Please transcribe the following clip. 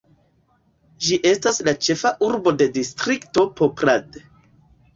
Ĝi estas la ĉefa urbo de distrikto Poprad.